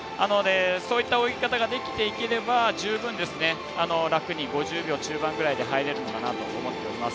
そういった泳ぎ方ができていければ十分楽に５０秒中盤くらいで入れるのかなと思っております。